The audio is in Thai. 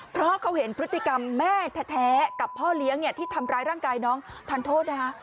เพราะเขาเห็นพฤติกรรมแม่แท้กับพ่อเลี้ยงที่ทำร้ายร่างกายน้องทันโทษนะคะ